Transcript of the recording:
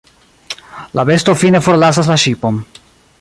La besto fine forlasas la ŝipon.